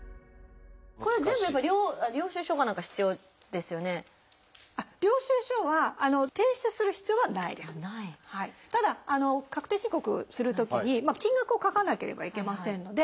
ただ確定申告するときに金額を書かなければいけませんので。